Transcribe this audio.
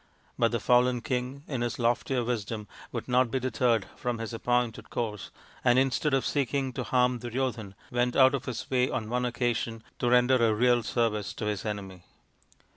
But the fallen king in his loftier wisdom would not be deterred from his appointed course, and instead of seeking to harm Duryodhan went out of his way on one occasion to render a real service to his enemy.